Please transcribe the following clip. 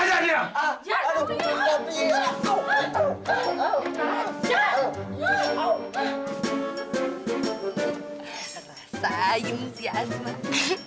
rasain si azmat